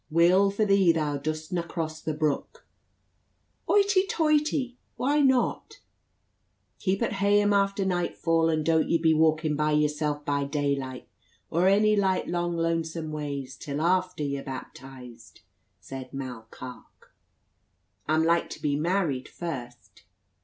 "Weel for thee thou dudstna cross the brook." "Hoity toity, why not?" "Keep at heyame after nightfall, and don't ye be walking by yersel' by daylight or any light lang lonesome ways, till after ye're baptised," said Mall Carke. "I'm like to be married first."